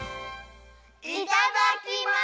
いただきます！